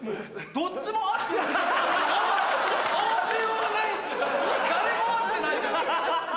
誰も合ってないから。